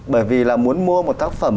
bởi vì là muốn mua một tác phẩm